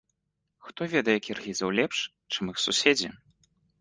Хто ведае кіргізаў лепш, чым іх суседзі.